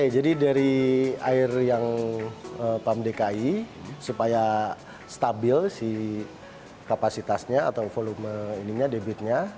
jadi dari air yang pump dki supaya stabil kapasitasnya atau volume debitnya